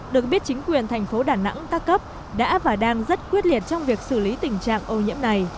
được biết chính quyền thành phố đà nẵng ca cấp đã và đang rất quyết liệt trong việc xử lý tình trạng ô nhiễm này